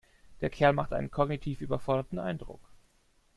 Der Kerl macht einen kognitiv überforderten Eindruck.